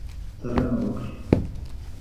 څارنه وکړي.